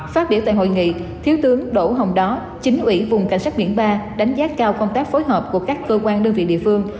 phát biểu tại hội nghị thiếu tướng đỗ hồng đó chính ủy vùng cảnh sát biển ba đánh giá cao công tác phối hợp của các cơ quan đơn vị địa phương